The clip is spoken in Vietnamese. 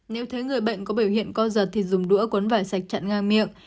nếu thấy người bệnh có biểu hiện co giật thì dùng đũa cuốn vải sạch chặn ngang miệng